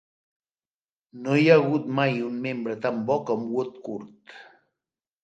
No hi ha hagut mai un membre tan bo com Woodcourt.